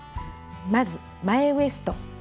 まず前ウエスト。